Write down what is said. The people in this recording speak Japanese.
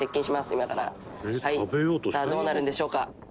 「さあどうなるんでしょうか？」